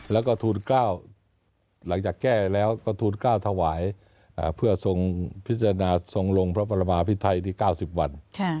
แล้วก็ทูลก้าวหลังจากแก้แล้วก็ทูลก้าวถวายเพื่อส่งพิจารณาส่งลงพระบรมพิธัยที่๙๐วัน